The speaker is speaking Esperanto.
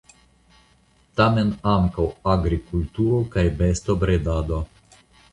Tamen ankaŭ agrikulturo kaj bestobredado.